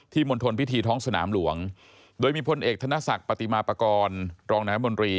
มณฑลพิธีท้องสนามหลวงโดยมีพลเอกธนศักดิ์ปฏิมาปากรรองนายมนตรี